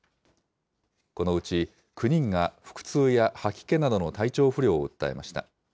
このうち、９人が腹痛や吐き気などの体調不良を訴えました。